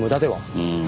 うん。